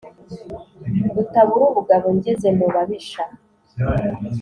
Rutabura ubugabo ngeze mu babisha,